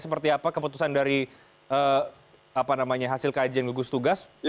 seperti apa keputusan dari hasil kajian gugus tugas